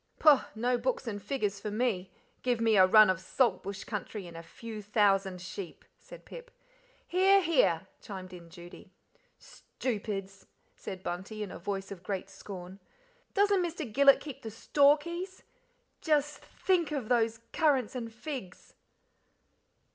"Pooh! no books and figures far me; give me a run of Salt Bush country, and a few thousand sheep," said Pip. "Hear! hear!" chimed in Judy. "Stoopids!" said Bunty, in a voice of great scorn. "Doesn't Mr. Gillet keep the store keys just think those currants and figs."